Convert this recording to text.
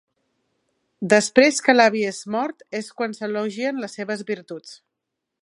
Després que l'avi és mort és quan s'elogien les seves virtuts.